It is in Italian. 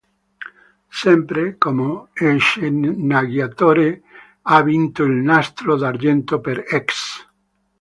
Sempre come sceneggiatore ha vinto il Nastro d'argento per "Ex".